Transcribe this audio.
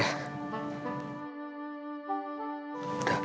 udah telepon lagi telepon lagi